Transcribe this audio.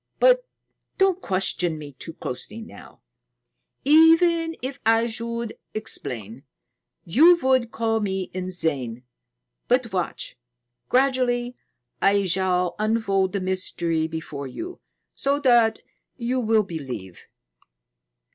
But don't question me too closely now. Even if I should explain, you would call me insane. But watch; gradually I shall unfold the mystery before you, so that you will believe."